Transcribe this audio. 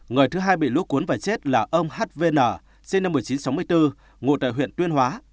người thứ hai bị lũ cuốn và chết là ông h v n sinh năm một nghìn chín trăm sáu mươi bốn ngộ tại huyện tuyên hóa